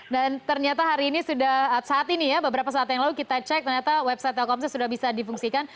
dan ternyata hari ini sudah saat ini ya beberapa saat yang lalu kita cek ternyata website telkomsel sudah bisa difungsikan